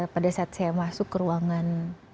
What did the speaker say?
pada saat saya masuk ke ruangan